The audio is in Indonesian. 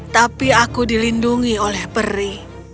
tapi aku dilindungi oleh peri